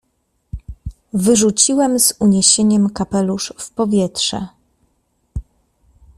"Wyrzuciłem z uniesieniem kapelusz w powietrze."